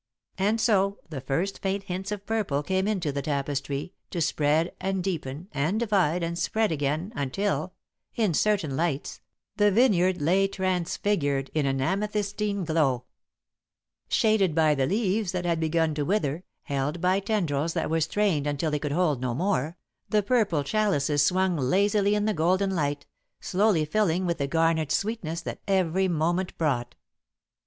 And so the first faint hints of purple came into the tapestry, to spread and deepen and divide and spread again until, in certain lights, the vineyard lay transfigured in an amethystine glow. [Sidenote: The Gathering of the Fruit] Shaded by the leaves that had begun to wither, held by tendrils that were strained until they could hold no more, the purple chalices swung lazily in the golden light, slowly filling with the garnered sweetness that every moment brought.